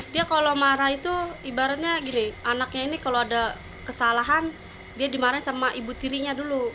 dia kalau marah itu ibaratnya gini anaknya ini kalau ada kesalahan dia dimarahin sama ibu tirinya dulu